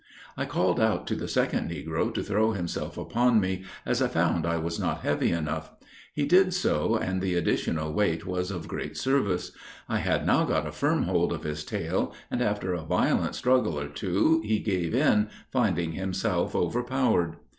I called out to the second negro to throw himself upon me, as I found I was not heavy enough. He did so, and the additional weight was of great service. I had now got a firm hold of his tail, and after a violent struggle or two, he gave in, finding himself overpowered.